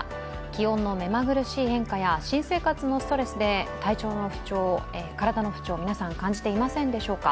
気温のめまぐるしい変化や新生活のストレスで体の不調、皆さん感じていませんでしょうか。